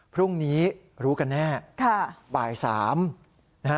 พรุ่งนี้รู้กันแน่บาท๓